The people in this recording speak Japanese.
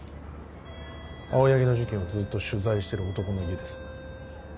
青柳の事件をずっと取材してる男の家です